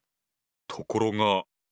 ところが。